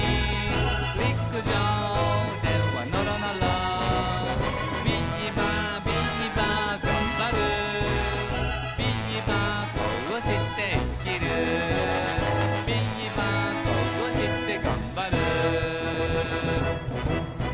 「りくじょうではのろのろ」「ビーバービーバーがんばる」「ビーバーこうしていきる」「ビーバーこうしてがんばる」